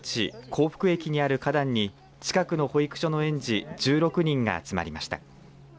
幸福駅にある花壇に近くの保育所の園児１６人が集まりました。